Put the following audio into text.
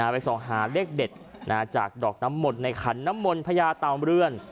ไปส่องหาเลขเด็ดจากดอกน้ำมนต์ในขันน้ำมนต์พญาตามเรือน